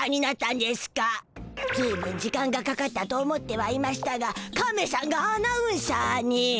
ずいぶん時間がかかったと思ってはいましゅたがカメしゃんがアナウンサーに？